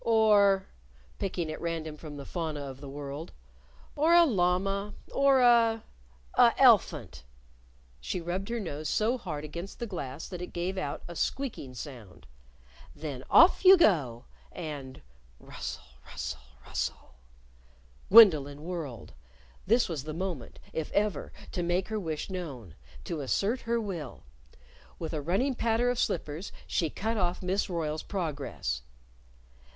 Or" picking at random from the fauna of the world "or a llama, or a' a' el'phunt." She rubbed her nose so hard against the glass that it gave out a squeaking sound. "Then off you go!" and, Rustle! Rustle! Rustle! Gwendolyn whirled. This was the moment, if ever, to make her wish known to assert her will. With a running patter of slippers, she cut off Miss Royle's progress.